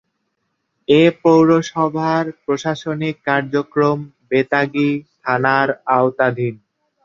এ পৌরসভার প্রশাসনিক কার্যক্রম বেতাগী থানার আওতাধীন।